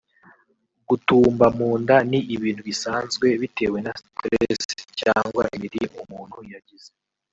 Gutumba mu nda ni ibintu bisanzwe bitewe na stress cyangwa imirire umuntu yagize